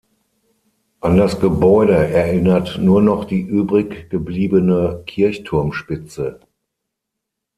An das Gebäude erinnert nur noch die übriggebliebene Kirchturmspitze.